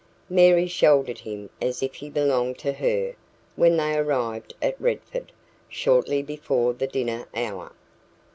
Mary shouldered him as if he belonged to her when they arrived at Redford, shortly before the dinner hour.